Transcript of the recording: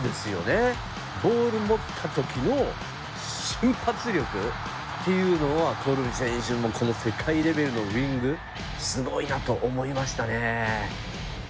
ボール持った時の瞬発力っていうのはコルビ選手もうこの世界レベルのウイングすごいなと思いましたね。